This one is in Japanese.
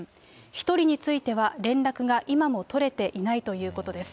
１人については連絡が今も取れていないということです。